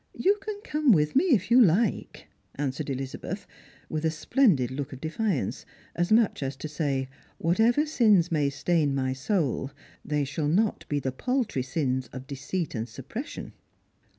You can come with me if you like, answered Elizabeth, with a splendid look of defiance, as much as to say. Whatever sins may stain my soul, they shall not be the paltry sins of deceit and suppres sion.